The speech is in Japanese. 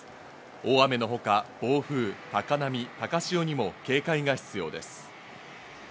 大雨のほか、暴風、高波、高潮にも警戒が必要です。